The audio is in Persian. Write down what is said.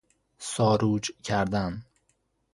ساروج کردن